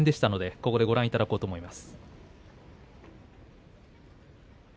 ここでご覧いただこうと思います。